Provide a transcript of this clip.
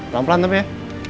pelan pelan tapi ya